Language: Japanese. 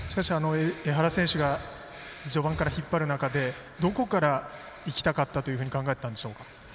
江原選手が序盤から引っ張る中でどこからいきたかったというふうに考えていたんでしょうか。